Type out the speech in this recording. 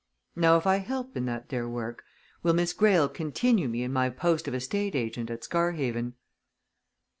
Now, if I help in that there work, will Miss Greyle continue me in my post of estate agent at Scarhaven?"